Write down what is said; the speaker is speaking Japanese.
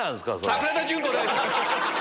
桜田淳子です！